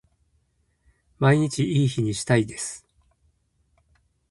毎日いい日にしたいです